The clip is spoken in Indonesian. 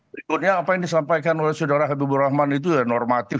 berikutnya apa yang disampaikan oleh saudara habibur rahman itu normatif